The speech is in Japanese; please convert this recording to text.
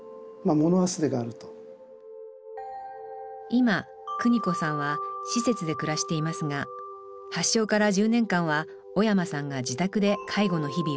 今邦子さんは施設で暮らしていますが発症から１０年間は小山さんが自宅で介護の日々を送りました。